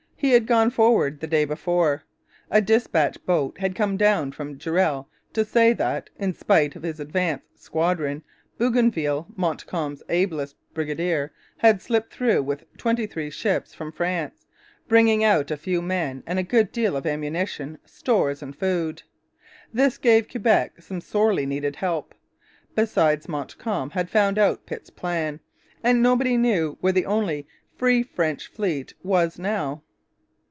He had gone forward the day before. A dispatch boat had come down from Durell to say that, in spite of his advanced squadron, Bougainville, Montcalm's ablest brigadier, had slipped through with twenty three ships from France, bringing out a few men and a good deal of ammunition, stores, and food. This gave Quebec some sorely needed help. Besides, Montcalm had found out Pitt's plan; and nobody knew where the only free French fleet was now.